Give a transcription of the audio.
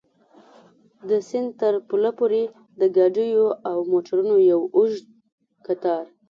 د سیند تر پله پورې د ګاډیو او موټرو یو اوږد کتار.